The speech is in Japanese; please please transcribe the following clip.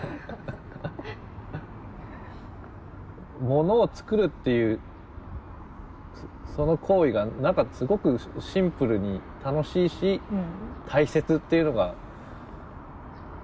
ものを作るっていうその行為がなんかすごくシンプルに楽しいし大切っていうのが。